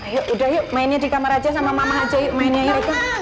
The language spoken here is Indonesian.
yuk udah yuk mainnya di kamar aja sama mama aja yuk mainnya mereka